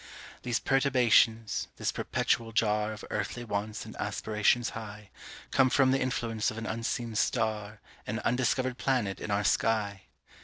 These perturbations, this perpetual jar Of earthly wants and aspirations high, Come from the influence of an unseen star, An undiscovered planet in our sky.